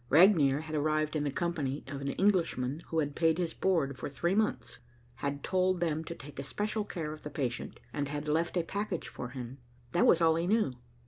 Regnier had arrived in the company of an Englishman who had paid his board for three months, had told them to take especial care of the patient, and had left a package for him. That was all he knew.